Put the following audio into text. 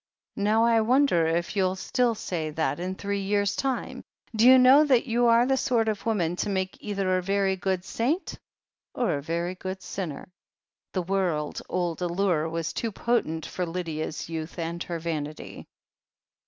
Now* I wonder if you'll still say that in three years' time. Do you know that you are the sort of woman to make either a very good saint or a very good sinner?" 178 THE HEEL OF ACHILLES The world old lure was too potent for Lydia's youth and her vanity.